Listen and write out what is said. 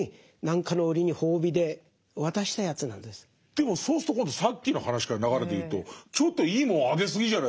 でもそうすると今度さっきの話から流れでいうとちょっといいもんあげすぎじゃないですか。